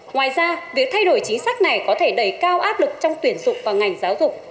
ngoài ra việc thay đổi chính sách này có thể đẩy cao áp lực trong tuyển dụng và ngành giáo dục